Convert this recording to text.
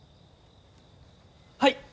はい！